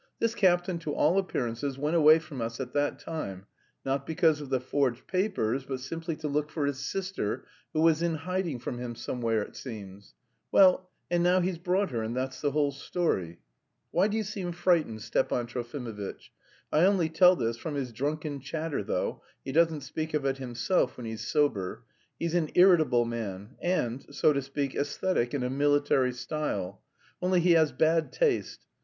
This captain to all appearances went away from us at that time; not because of the forged papers, but simply to look for his sister, who was in hiding from him somewhere, it seems; well, and now he's brought her and that's the whole story. Why do you seem frightened, Stepan Trofimovitch? I only tell this from his drunken chatter though, he doesn't speak of it himself when he's sober. He's an irritable man, and, so to speak, æsthetic in a military style; only he has bad taste.